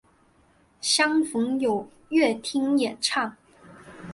相逢有乐町演唱。